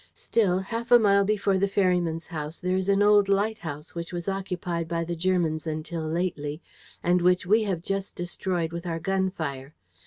Still, half a mile before the ferryman's house there is an old lighthouse which was occupied by the Germans until lately and which we have just destroyed with our gun fire.